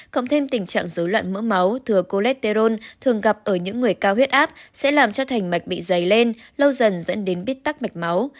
cộng thêm tình trạng dối loạn mỡ máu thừa côletterone thường gặp ở những người cao huyết áp sẽ làm cho thành mạch bị dày lên lâu dần dẫn đến bít tắc mạch máu